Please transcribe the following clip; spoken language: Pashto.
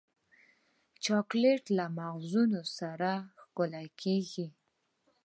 چاکلېټ له مغزونو سره ښکلی کېږي.